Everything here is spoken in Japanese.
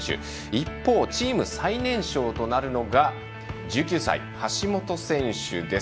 一方、チーム最年少となるのが１９歳の橋本勝也選手です。